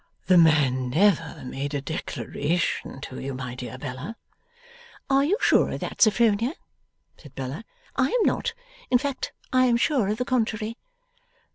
'The man never made a declaration to you, my dear Bella!' 'Are you sure of that, Sophronia?' said Bella. 'I am not. In fact, I am sure of the contrary.